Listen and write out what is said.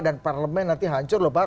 dan parlemen nanti hancur loh pak